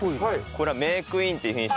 これはメークインっていう品種。